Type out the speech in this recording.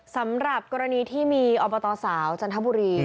สำหรับกรณีที่มีอบตสาวจันทบุรี